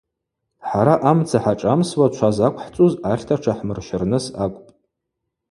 Хӏара амца хӏашӏамсуа чва заквхӏцӏуз ахьта тшахӏмырщырныс акӏвпӏ.